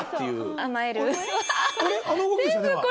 甘える？